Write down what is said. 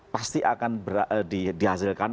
pasti akan dihasilkan